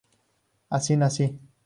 Así nací.